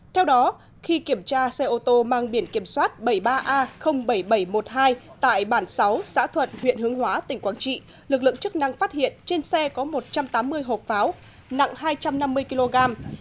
theo đó khi kiểm tra xe ô tô mang biển kiểm soát bảy mươi ba a bảy nghìn bảy trăm một mươi hai tại bản sáu xã thuận huyện hướng hóa tỉnh quảng trị lực lượng chức năng phát hiện trên xe có một trăm tám mươi hộp pháo nặng hai trăm năm mươi kg